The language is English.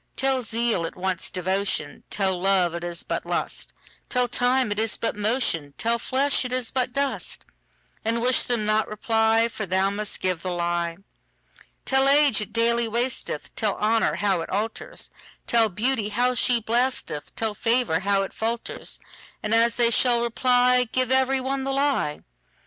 Tell zeal it wants devotion; Tell love it is but lust; Tell time it is but motion; Tell flesh it is but dust:And wish them not reply, For thou must give the lie. Tell age it daily wasteth; Tell honour how it alters; Tell beauty how she blasteth; Tell favour how it falters:And as they shall reply, Give every one the lie.